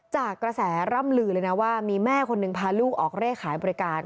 จากกระแสร่ำลือเลยนะว่ามีแม่คนหนึ่งพาลูกออกเลขขายบริการ